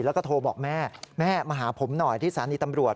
แล้วก็โทรบอกแม่แม่มาหาผมหน่อยที่สถานีตำรวจ